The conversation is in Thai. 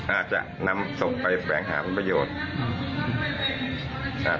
อาจจะนำศพไปแบ่งหาเป็นประโยชน์